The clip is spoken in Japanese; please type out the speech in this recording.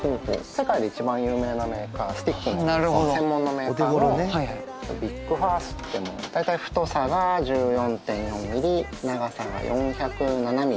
世界で一番有名なメーカースティックの専門のメーカーのＶＩＣファースって大体太さが１４．４ｍｍ長さが４０７ｍｍ